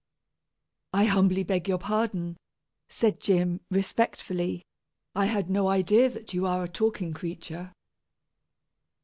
"I humbly beg your pardon," said Jim, respectfully; "I had no idea that you are a talking creature."